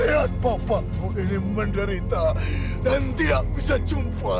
jangan lupa like share dan subscribe ya